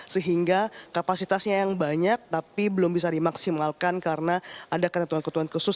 sehingga kapasitasnya yang banyak tapi belum bisa dimaksimalkan karena ada ketentuan ketentuan khusus